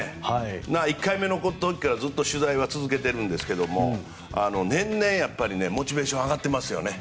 １回目からずっと取材は続けているんですけど年々、やっぱりモチベーションが上がっていますね